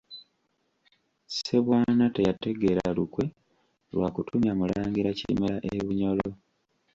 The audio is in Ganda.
Ssebwana teyategeera lukwe lwa kutumya Mulangira Kimera e Bunyoro.